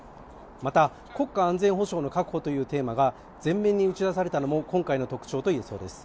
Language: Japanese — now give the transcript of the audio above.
また、国家安全保障の確保というテーマが全面に打ち出されたのも今回の特徴といえそうです。